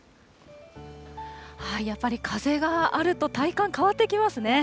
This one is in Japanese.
やっぱり風があると体感、変わってきますね。